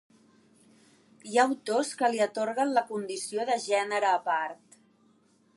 Hi ha autors que li atorguen la condició de gènere a part.